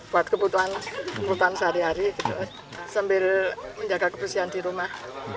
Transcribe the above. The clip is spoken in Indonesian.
buat kebutuhan kebutuhan sehari hari sambil menjaga kebersihan di rumah